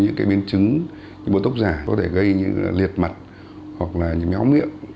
những cái biến chứng những bò tóc già có thể gây những liệt mặt hoặc là những cái óng miệng